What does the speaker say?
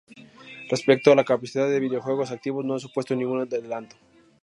Respecto a la capacidad de videojuegos activos no ha supuesto ningún adelanto.